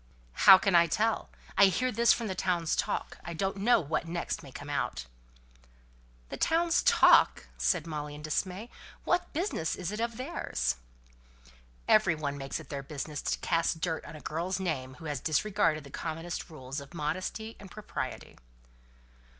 "How can I tell? I hear of this from the town's talk. I don't know what next may come out!" "The town's talk!" said Molly in dismay. "What business is it of theirs?" "Every one makes it their business to cast dirt on a girl's name who has disregarded the commonest rules of modesty and propriety."